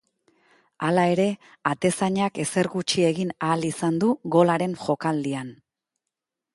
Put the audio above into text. Hala ere, atezainak ezer gutxi egin ahal izan du golaren jokaldian.